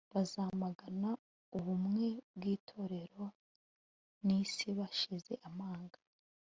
bazamagana ubumwe bwitorero nisi bashize amanga